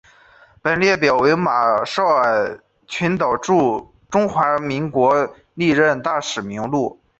本列表为马绍尔群岛驻中华民国历任大使名录。